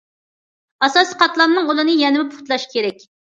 ئاساسىي قاتلامنىڭ ئۇلىنى يەنىمۇ پۇختىلاش كېرەك.